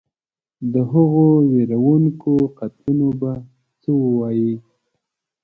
د هغو وېروونکو قتلونو به څه ووایې.